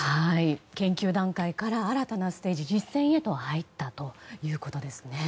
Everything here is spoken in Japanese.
研究段階から新たなステージ、実戦へと入ったということです。